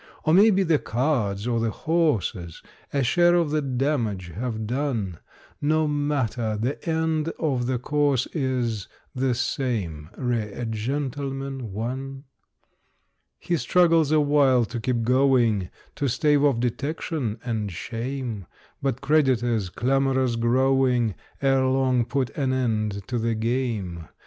Or maybe the cards or the horses A share of the damage have done No matter; the end of the course is The same: "Re a Gentleman, One". He struggles awhile to keep going, To stave off detection and shame; But creditors, clamorous growing, Ere long put an end to the game.